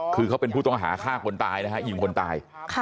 คือเขาเป็นผู้ต้องหาฆ่าคนตายนะฮะยิงคนตาย